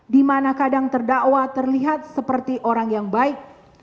di mana kadang terdakwa terlihat seperti orang yang baik